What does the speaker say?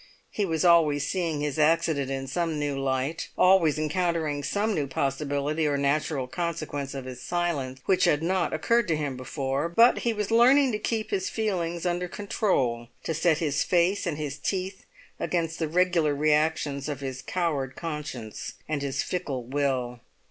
He was always seeing his accident in some new light, always encountering some new possibility, or natural consequence of his silence, which had not occurred to him before. But he was learning to keep his feelings under control, to set his face and his teeth against the regular reactions of his coward conscience and his fickle will.